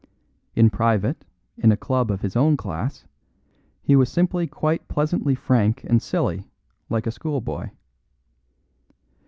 In private, in a club of his own class, he was simply quite pleasantly frank and silly, like a schoolboy.